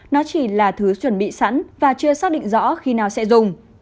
nó chỉ là thứ chuẩn bị sẵn và chưa xác định rõ khi nào sẽ dùng